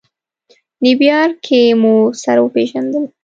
نیویارک کې مو سره وپېژندل.